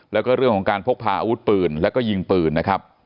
แล้วก็เรื่องของการพกพาอาวุธปืนแล้วก็ยิงปืนนะครับ